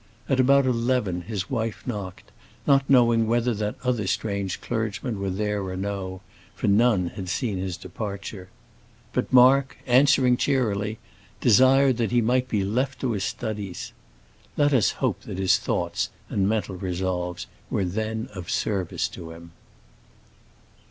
At about eleven his wife knocked, not knowing whether that other strange clergyman were there or no, for none had seen his departure. But Mark, answering cheerily, desired that he might be left to his studies. Let us hope that his thoughts and mental resolves were then of service to him.